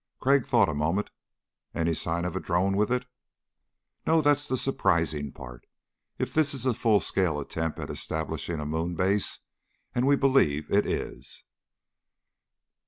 Crag thought a moment. "Any sign of a drone with it?" "No, that's the surprising part, if this is a full scale attempt at establishing a moon base. And we believe it is."